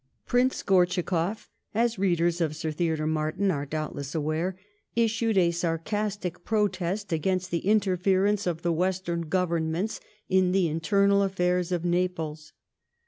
Prince Gortschakoff, as readers of Sir Theodore Martin are doubtless aware, issued a sarcastic protest against the interference of the Western Governments in the internal affairs of Naples.